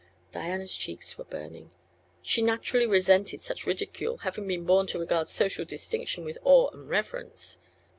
Diana's cheeks were burning. She naturally resented such ridicule, having been born to regard social distinction with awe and reverence.